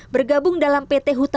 bergabung dalam pembayaran jalan tol